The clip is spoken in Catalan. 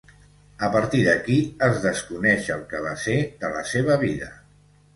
A partir d'aquí es desconeix el que va ser de la seva vida.